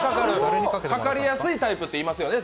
かかりやすいタイプっていますよね？